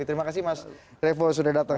terima kasih mas revo sudah datang